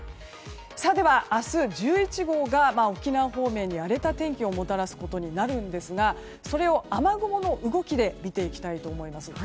では明日１１号が沖縄方面に荒れた天気をもたらすことになるんですがそれを雨雲の動きで見ていきたいと思います。